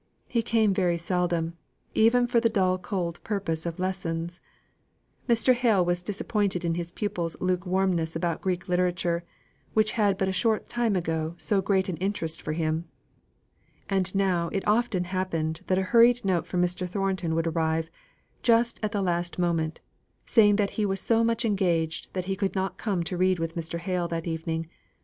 he came very seldom, even for the dull cold purpose of lessons. Mr. Hale was disappointed in his pupil's lukewarmness about Greek literature, which had but a short time ago so great an interest for him. And now it often happened that a hurried note from Mr. Thornton would arrive, just at the last moment, saying that he was so much engaged that he could not come to read with Mr. Hale that evening.